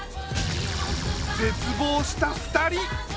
絶望した二人。